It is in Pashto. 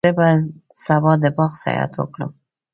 زه به سبا د باغ سیاحت وکړم.